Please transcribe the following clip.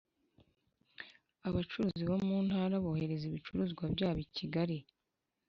Abacuruzi bo muntara bohereza ibicuruzwa byabo ikigali